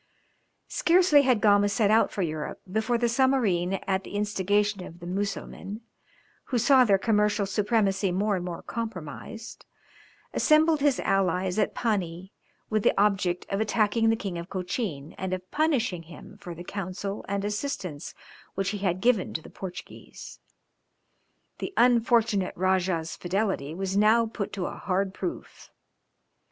Scarcely had Gama set out for Europe, before the Zamorin at the instigation of the Musselmen, who saw their commercial supremacy more and more compromised, assembled his allies at Pani with the object of attacking the King of Cochin and of punishing him for the counsel and assistance which he had given to the Portuguese. The unfortunate Rajah's fidelity was now put to a hard proof.